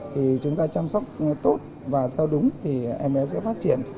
thì chúng ta chăm sóc tốt và theo đúng thì em bé sẽ phát triển